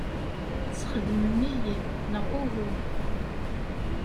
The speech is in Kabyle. Tesxedmem-iyi, neɣ uhu?